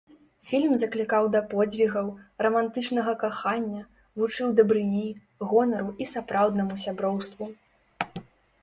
Фільм заклікаў да подзвігаў, рамантычнага кахання, вучыў дабрыні, гонару і сапраўднаму сяброўству.